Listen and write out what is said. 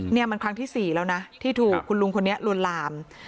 นี่มันครั้งที่๔แล้วนะที่ถูกคุณลุงคนนี้ลวนลาม